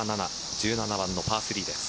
１７番のパー３です。